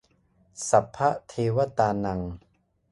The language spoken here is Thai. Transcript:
สัพพะเทวะตานัง